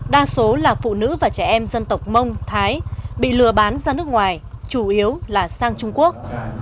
đa số là phụ nữ và trẻ em dân tộc mông thái bị lừa bán ra nước ngoài chủ yếu là sang trung quốc